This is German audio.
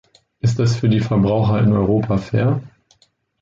Ist das für die Verbraucher in Europa fair?